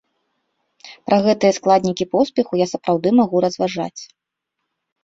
Пра гэтыя складнікі поспеху я сапраўды магу разважаць.